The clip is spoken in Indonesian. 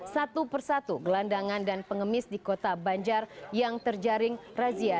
satu persatu gelandangan dan pengemis di kota banjar yang terjaring razia